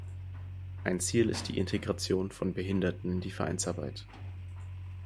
Ein Ziel ist die Integration von Behinderten in die Vereinsarbeit.